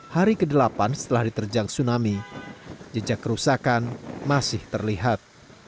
hari ke delapan setelah diterjang tsunami jejak kerusakan masih terlihat